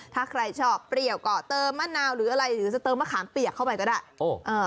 ถ้าใครชอบเปรี้ยวก็เติมมะนาวหรืออะไรหรือจะเติมมะขามเปียกเข้าไปก็ได้